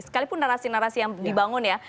sekalipun narasi narasi yang dibangun ya